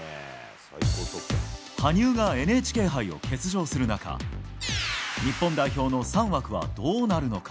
羽生がＮＨＫ杯を欠場する中日本代表の３枠はどうなるのか。